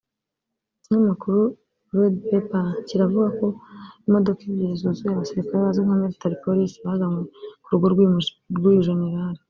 Ikinyamakuru redpepper cyiravuga ko imodoka ebyiri zuzuye abasirikari bazwi nka Military Police bazanywe ku rugo rw’uyu Jenerali